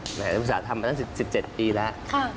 อาจารย์ภูมิศาสตร์ทำมาตั้ง๑๗ปีแล้ว